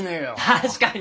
確かに！